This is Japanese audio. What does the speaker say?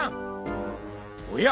おや？